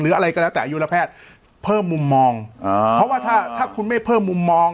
อะไรก็แล้วแต่อายุละแพทย์เพิ่มมุมมองอ่าเพราะว่าถ้าถ้าคุณไม่เพิ่มมุมมอง